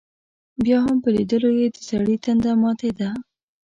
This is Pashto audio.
بیا هم په لیدلو یې دسړي تنده ماتېده.